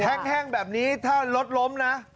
แห้งแบบนี้ถ้ารถล้มนะ